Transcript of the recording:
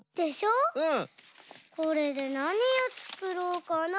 これでなにをつくろうかな。